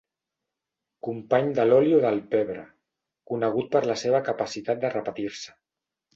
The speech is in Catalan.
Company de l'oli o del pebre, conegut per la seva capacitat de repetir-se.